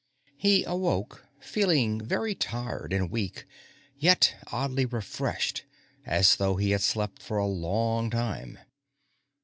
He awoke feeling very tired and weak, yet oddly refreshed, as though he had slept for a long time.